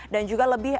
dan juga lebih